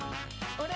あれ。